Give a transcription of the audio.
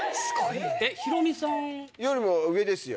ヒロミさん。よりも上ですよ。